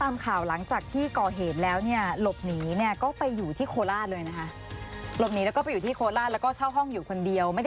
ไม่ได้พูดแบบนี้